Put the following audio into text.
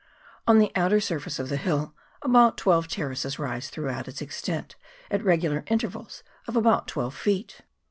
On the outer surface of fche Jirll about twelve terraces rise throughout its extent, at regular intervals of about twelve feet.